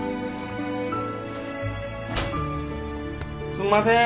すんません